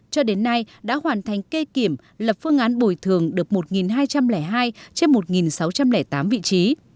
cho đến nay đã hoàn thành kê kiểm lập phương án bồi thường được một hai trăm linh hai trên một sáu trăm linh tám vị trí